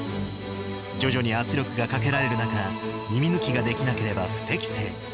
徐々に圧力がかけられる中、耳抜きができなければ不適正。